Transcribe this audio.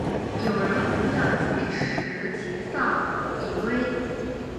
友人洪亮吉持其丧以归。